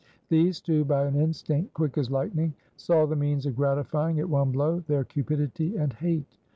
These two, by an instinct quick as lightning, saw the means of gratifying at one blow their cupidity and hate.